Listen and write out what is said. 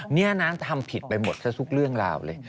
เนี่ยน้ำทำผิดไปหมดเท่าสุดเรื่องราวเลย